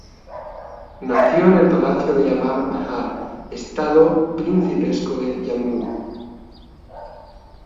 Nació en el Palacio de Amar Mahal, estado principesco de Jammu.